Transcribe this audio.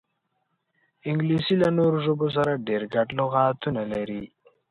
انګلیسي له نورو ژبو سره ډېر ګډ لغاتونه لري